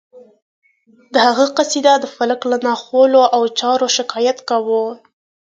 د هغه قصیده د فلک له ناخوالو او چارو شکایت کوي